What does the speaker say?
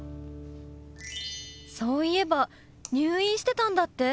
そういえば入院してたんだって？